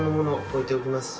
置いておきます。